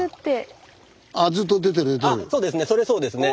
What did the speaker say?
あそうですね。それそうですね。